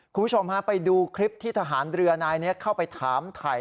คุณผู้ชมฮะไปดูคลิปที่ทหารเรือนายนี้เข้าไปถามถ่าย